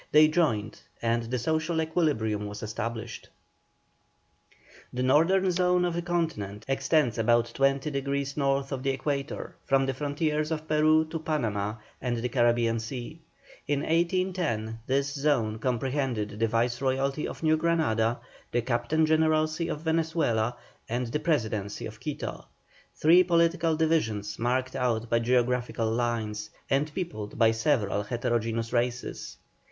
They joined, and the social equilibrium was established. The northern zone of the Continent extends about twenty degrees north of the Equator, from the frontiers of Peru to Panama and the Carribean sea. In 1810 this zone comprehended the Viceroyalty of New Granada, the Captain Generalcy of Venezuela, and the Presidency of Quito; three political divisions marked out by geographical lines, and peopled by several heterogeneous races.